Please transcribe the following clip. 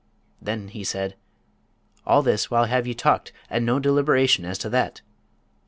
Then he said, 'All this while have ye talked, and no deliberation as to that!